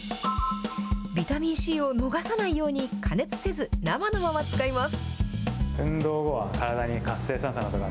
ビタミンＣを逃さないように加熱せず、生のまま使います。